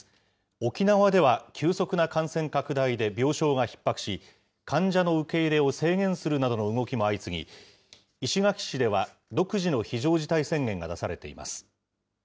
沖縄では急速な感染拡大で病床がひっ迫し、患者の受け入れを制限するなどの動きも相次ぎ、石垣市では、独自の非常事態宣言が出されています。